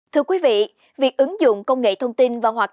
thưa quý vị việc ứng dụng công nghệ thông tin và hoạt động